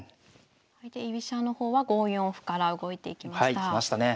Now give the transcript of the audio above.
で居飛車の方は５四歩から動いていきました。